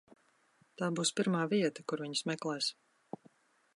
Tā būs pirmā vieta, kur viņus meklēs.